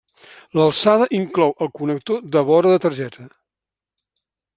L'alçada inclou el connector de vora de targeta.